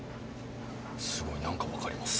すごい何か分かります。